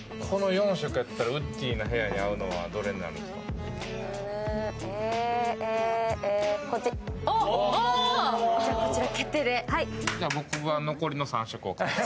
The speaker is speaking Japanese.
この４色だったら、ウッディーな部屋になるのはどれですか？